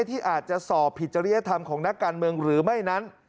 ที่อาจจะสอบผิดจริยธรรมของนักการเมืองหรือไม่นั้น